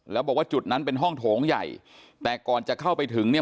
แล้วบอกว่าจุดนั้นเป็นห้องโถงใหญ่แต่ก่อนจะเข้าไปถึงเนี่ย